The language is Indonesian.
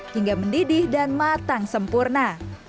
hingga mendidih dan matang sempurna